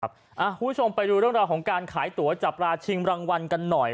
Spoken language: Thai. คุณผู้ชมไปดูเรื่องราวของการขายตัวจับราชิงรางวัลกันหน่อย